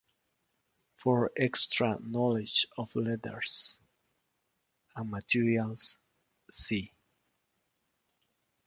For extra knowledge of letters and materials, see.